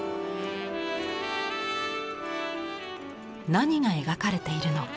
何が描かれているのか？